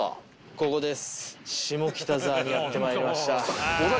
ここです。